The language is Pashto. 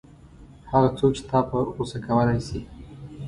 هغه څوک چې تا په غوسه کولای شي.